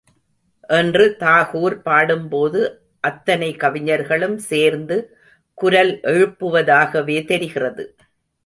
என்று தாகூர் பாடும்போது அத்தனை கவிஞர்களும் சேர்ந்து குரல் எழுப்புவதாகவே தெரிகிறது.